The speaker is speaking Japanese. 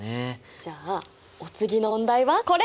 じゃあお次の問題はこれ。